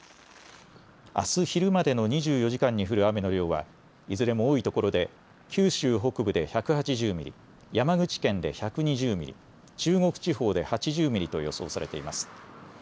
あす昼までの２４時間に降る雨の量はいずれも多いところで九州北部で１８０ミリ、山口県で１２０ミリ、中国地方で８０ミリと予想されています。